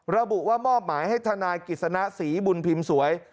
ระบุว่ามอบหมายให้ทนายกิจสนะศรีบุญพิมพ์สวย